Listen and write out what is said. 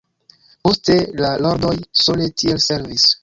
Poste, la Lordoj sole tiel servis.